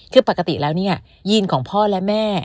คือปกติแล้วเนี่ยยีนของพ่อและแม่